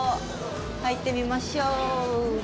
入ってみましょ。